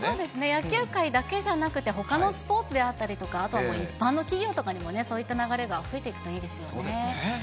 野球界だけじゃなくて、ほかのスポーツであったりとか、あとはもう一般の企業とかにもそういった流れが増えていくといいそうですね。